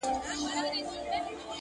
نا امیده له درمل مرګ ته یې پام سو٫